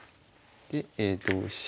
で同飛車。